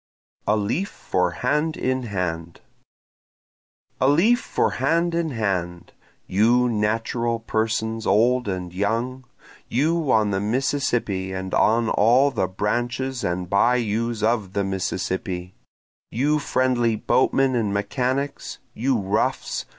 A Leaf for Hand in Hand A leaf for hand in hand; You natural persons old and young! You on the Mississippi and on all the branches and bayous of the Mississippi! You friendly boatmen and mechanics! you roughs!